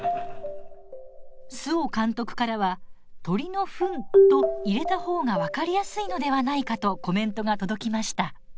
周防監督からは「鳥のふん」と入れた方が分かりやすいのではないかとコメントが届きました。